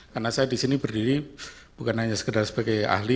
karena saya di sini berdiri bukan hanya sekedar sebagai ahli